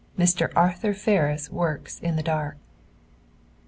MR. ARTHUR FERRIS WORKS IN THE DARK.